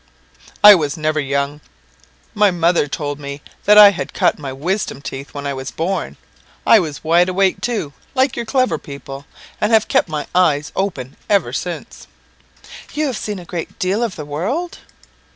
"I was never young. My mother told me that I had cut my wisdom teeth when I was born. I was wide awake, too, like your clever people, and have kept my eyes open ever since. "You have seen a great deal of the world?"